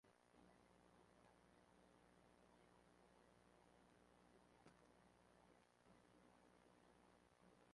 Blythe resume el enojo y la desilusión de los protestantes: "Y eso fue todo.